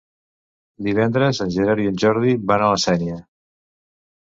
Divendres en Gerard i en Jordi van a la Sénia.